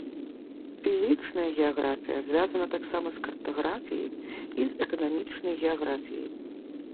Фізічная геаграфія звязана таксама з картаграфіяй і з эканамічнай геаграфіяй.